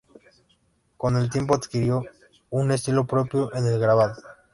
Con el tiempo adquirió un estilo propio en el grabado.